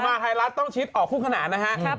มาไทยรัฐต้องชิดออกคู่ขนาดนะฮะ